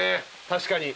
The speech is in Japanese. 確かに。